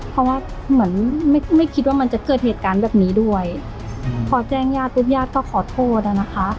เพราะว่าเหมือนไม่ไม่คิดว่ามันจะเกิดเหตุการณ์แบบนี้ด้วยพอแจ้งญาติปุ๊บญาติก็ขอโทษอะนะคะ